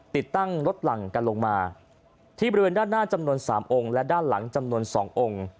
ติดตั้งรถหลังกันลงมาที่บริเวณด้านหน้าจำนวน๓องค์และด้านหลังจำนวน๒องค์